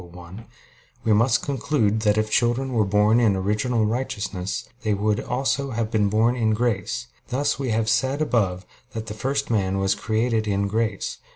1), we must conclude that if children were born in original righteousness, they would also have been born in grace; thus we have said above that the first man was created in grace (Q.